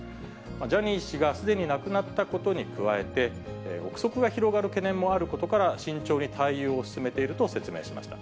ジャニー氏がすでに亡くなったことに加えて、臆測が広がる懸念もあることから、慎重に対応を進めていると説明しました。